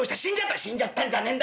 「死んじゃったんじゃねえんだ。